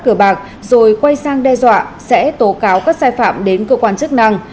cờ bạc rồi quay sang đe dọa sẽ tố cáo các sai phạm đến cơ quan chức năng